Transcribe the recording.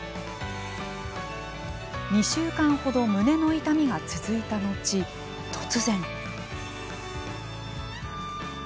２週間ほど胸の痛みが続いたのち突然。